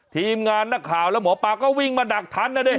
ทีมงานนักข่าวแล้วหมอปลาก็วิ่งมาดักทันนะดิ